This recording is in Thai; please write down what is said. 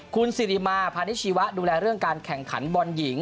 คุณสิริมาพาณิชีวะดูแลเรื่องการแข่งขันบอลหญิง